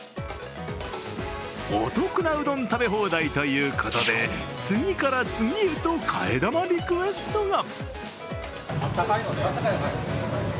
お得なうどん食べ放題ということで、次から次へと替え玉リクエストが。